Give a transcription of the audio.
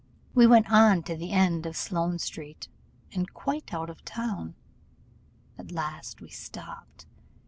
We went on to the end of Sloane street, and quite out of town; at last we stopped.